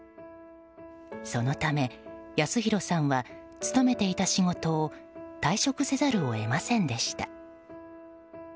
そのため、康弘さんは勤めていた仕事を退職せざるを得ませんでした。